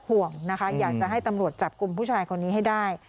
ห่วงนะคะอยากจะให้ตำรวจจับกลุ่มผู้ชายคนนี้ให้ได้